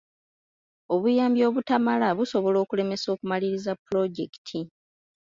Obuyambi obutamala busobola okulemesa okumaliriza pulojekiti.